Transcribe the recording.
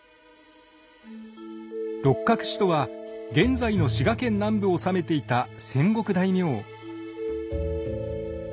六角氏とは現在の滋賀県南部を治めていた戦国大名。